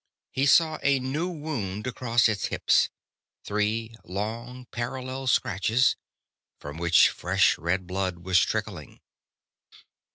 He saw a new wound across its hips. Three long, parallel scratches, from which fresh red blood was trickling.